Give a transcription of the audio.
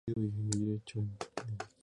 Chris Martins.